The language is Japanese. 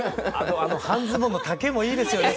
半ズボンの丈もいいですよね。